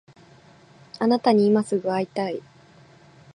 あなたに今すぐ会いたい